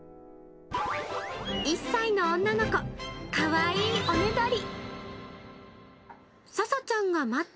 １歳の女の子、かわいいおねだり。